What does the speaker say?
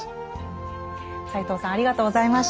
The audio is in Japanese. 斎藤さんありがとうございました。